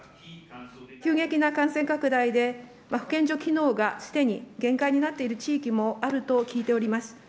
急激な感染拡大で、保健所機能がすでに限界になっている地域もあると聞いております。